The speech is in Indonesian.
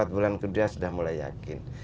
empat bulan kedua sudah mulai yakin